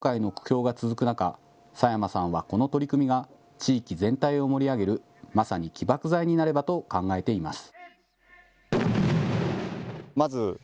県内の観光業界の苦境が続く中、佐山さんは、この取り組みが地域全体を盛り上げるまさに起爆剤になればと考えています。